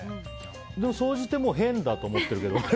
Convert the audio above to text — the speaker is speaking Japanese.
総じて変だと思ってるけど。